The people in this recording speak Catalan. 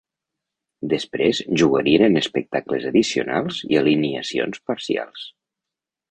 Després jugarien en espectacles addicionals i alineacions parcials.